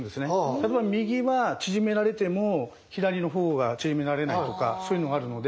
例えば右は縮められても左の方が縮められないとかそういうのがあるので。